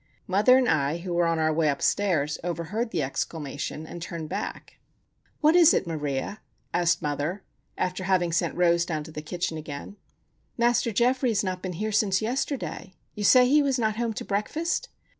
Mother and I, who were on our way upstairs, overheard the exclamation and turned back. "What is it, Maria?" asked mother, after having sent Rose down to the kitchen again. "Master Geoffrey has not been here since yesterday. You say he was not home to breakfast?"